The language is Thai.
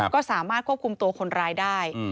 ก็สามารถควบคุมตัวคนร้ายได้